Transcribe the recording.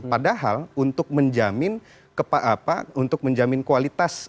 padahal untuk menjamin ke apa untuk menjamin kualitas